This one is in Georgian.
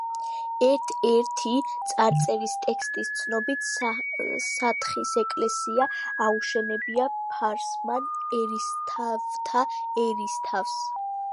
ერთ–ერთი წარწერის ტექსტის ცნობით, სათხის ეკლესია აუშენებია ფარსმან ერისთავთა ერისთავს.